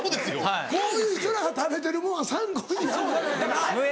こういう人らが食べてるもんは参考になるからやな。